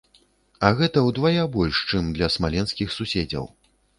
А гэта ўдвая больш, чым для смаленскіх суседзяў.